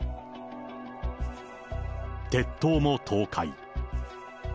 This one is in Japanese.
鉄塔も倒壊。